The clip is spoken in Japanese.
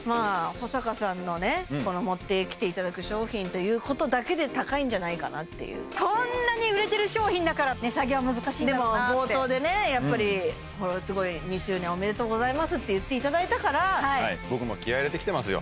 保阪さんのね持ってきていただく商品ということだけで高いんじゃないかなっていうこんなに売れてる商品だから値下げは難しいのかなでも冒頭でねやっぱりすごい２周年おめでとうございますって言っていただいたから僕も気合い入れてきてますよ